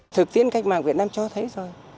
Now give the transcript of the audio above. thực tiên cách mạng việt nam cho thấy rồi